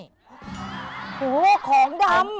โหของดำ